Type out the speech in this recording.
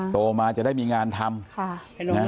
โตมาจะได้มีงานทำ